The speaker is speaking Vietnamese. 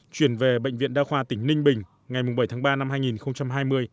chuyển về bệnh viện đa khoa tỉnh ninh bình ngày bảy tháng ba năm hai nghìn hai mươi